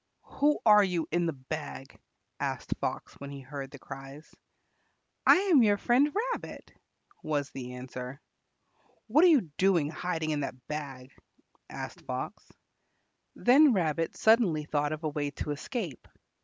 "Who are you in the bag?" asked Fox when he heard the cries. "I am your friend Rabbit," was the answer. "What are you doing, hiding in the bag?" asked Fox. Then Rabbit suddenly thought of a way of escape.